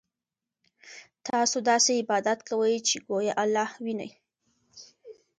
تاسو داسې عبادت کوئ چې ګویا الله وینئ.